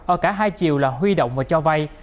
ở cả hai chiều là huy động và cho vay